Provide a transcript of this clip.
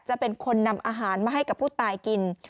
จะเป็นคนนำอาหารมาให้กับผู้ตายกิน